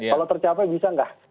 kalau tercapai bisa nggak